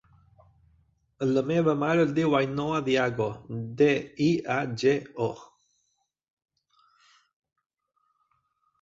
La meva mare es diu Ainhoa Diago: de, i, a, ge, o.